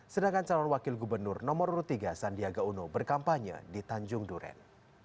sedangkan calon wakil gubernur nomor tiga sandiaga uno berkampanye di tanjung duren